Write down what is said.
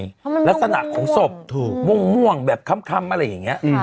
เพราะมันมุ่งม่วงถูกลักษณะของศพมุ่งม่วงแบบคำอะไรอย่างนี้